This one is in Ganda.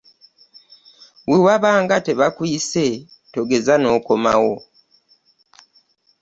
Webaba nga tebaakuyise togeza n'okomawo.